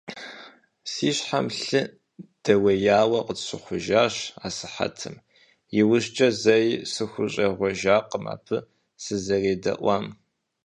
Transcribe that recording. Си щхьэм лъы дэуеяуэ къысщыхъуащ асыхьэтым, иужькӀэ зэи сыхущӀегъуэжакъым абы сызэредэӀуам.